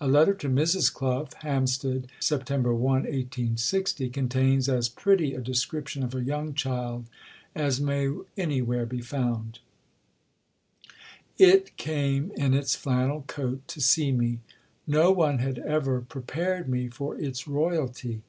A letter to Mrs. Clough (Hampstead, Sept. 1, 1860) contains as pretty a description of a young child as may anywhere be found: "'It' came in its flannel coat to see me. No one had ever prepared me for its Royalty.